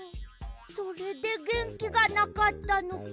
それでげんきがなかったのか。